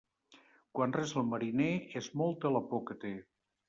Quan resa el mariner, és molta la por que té.